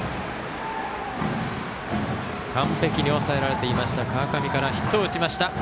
完璧に抑えられていました川上からヒットを打ちました。